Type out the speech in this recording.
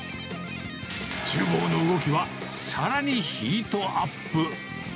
ちゅう房の動きはさらにヒートアップ。